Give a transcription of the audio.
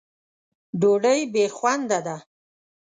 ډوډۍ بې خونده ده.